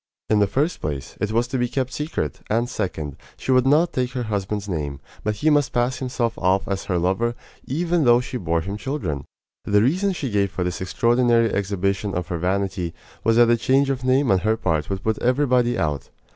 In the first place, it was to be kept secret; and second, she would not take her husband's name, but he must pass himself off as her lover, even though she bore him children. The reason she gave for this extraordinary exhibition of her vanity was that a change of name on her part would put everybody out.